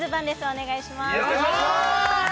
お願いします